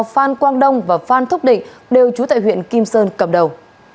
phan quang đông và phan thúc định đều trú tại huyện kim sơn cầm đầu